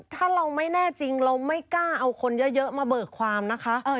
ถ้าเราไม่แน่จริงเราไม่กล้าเอาคนเยอะมาเบิกความนะคะ